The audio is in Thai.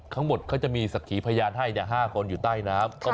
ทั้งหมดเขาจะมีศักดิ์หรือพยานให้๕คนอยู่ใต้นะครับ